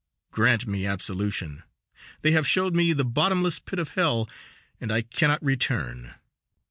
Grant me absolution; they have showed me the bottomless pit of hell, and I cannot return!"